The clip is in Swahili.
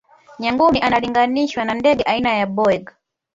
nyangumi analinganishwa na ndege aina ya boeing